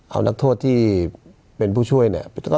เอานักโทษที่เป็นผู้ช่วยเนี่ย